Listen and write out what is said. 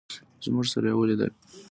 زموږ سره یې ولیدل.